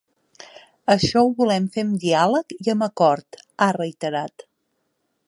Això ho volem fer amb diàleg i amb acord, ha reiterat.